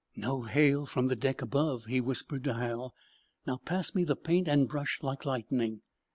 "No hail from the deck above," he whispered to Hal. "Now, pass me the paint and brush like lightning."